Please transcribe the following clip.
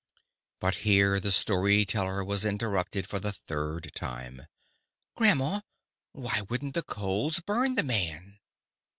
But here the story teller was interrupted for the third time. "Grandma, why wouldn't the coals burn the man?"